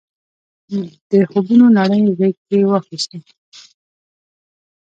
د خوبونو نړۍ غېږ کې واخیستو.